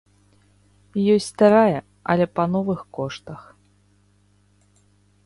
Ёсць старая, але па новых коштах.